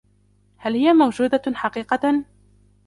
هل هي موجودة حقيقة ؟